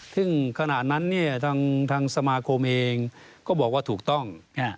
ซึ่งขณะนั้นทางสมาคมเองก็บอกว่าถูกต้อง